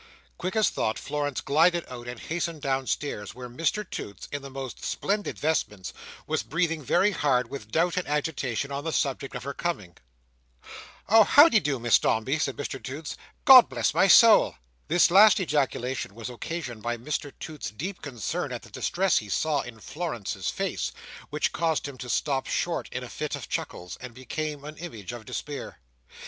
Quick as thought, Florence glided out and hastened downstairs, where Mr Toots, in the most splendid vestments, was breathing very hard with doubt and agitation on the subject of her coming. "Oh, how de do, Miss Dombey," said Mr Toots, "God bless my soul!" This last ejaculation was occasioned by Mr Toots's deep concern at the distress he saw in Florence's face; which caused him to stop short in a fit of chuckles, and become an image of despair.